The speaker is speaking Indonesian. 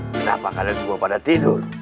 kenapa kalian semua pada tidur